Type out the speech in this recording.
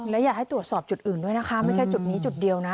และอยากให้ตรวจสอบจุดอื่นด้วยนะคะไม่ใช่จุดนี้จุดเดียวนะ